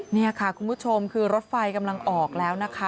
นี่ค่ะคุณผู้ชมคือรถไฟกำลังออกแล้วนะคะ